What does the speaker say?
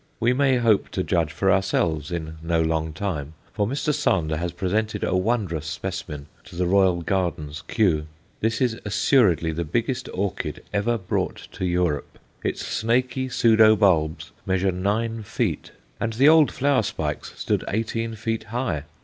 We may hope to judge for ourselves in no long time, for Mr. Sander has presented a wondrous specimen to the Royal Gardens, Kew. This is assuredly the biggest orchid ever brought to Europe. Its snakey pseudo bulbs measure nine feet, and the old flower spikes stood eighteen feet high.